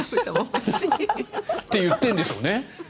言ってるんでしょうね。